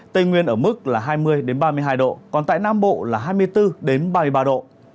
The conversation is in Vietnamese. tây nguyên ở mức là hai mươi ba mươi hai độ còn tại nam bộ là hai mươi bốn ba mươi ba độ